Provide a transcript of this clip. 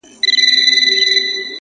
هوډ د شکونو شور کموي!.